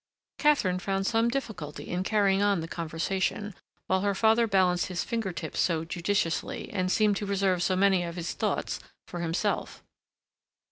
Katharine found some difficulty in carrying on the conversation, while her father balanced his finger tips so judiciously, and seemed to reserve so many of his thoughts for himself.